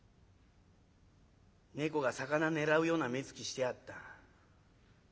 猫が魚狙うような目つきしてやがった。